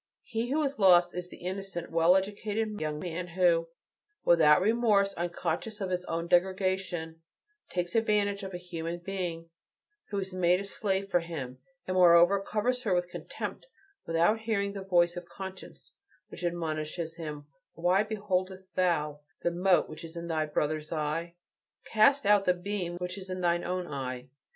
He who is lost is the innocent, well educated young man who, without remorse, unconscious of his own degradation, takes advantage of a human being who is made a slave for him, and, moreover, covers her with contempt, without hearing the voice of conscience which admonishes him: "Why beholdest thou the mote which is in thy brother's eye? Cast out the beam which is in thine own eye."